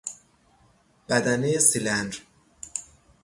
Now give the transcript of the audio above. بدنه سیلندر